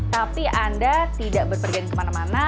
tapi anda tidak berpergian kemana mana